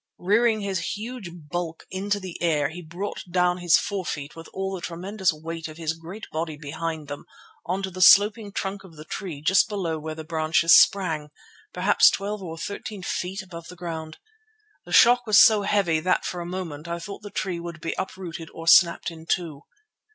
Rearing his huge bulk into the air he brought down his forefeet with all the tremendous weight of his great body behind them on to the sloping trunk of the tree just below where the branches sprang, perhaps twelve or thirteen feet above the ground. The shock was so heavy that for a moment I thought the tree would be uprooted or snapped in two.